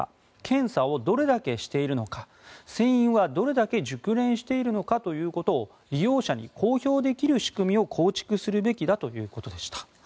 検査をどれだけしているのか船員はどれだけ熟練しているのかということを利用者に公表できる仕組みを構築するべきだということでした。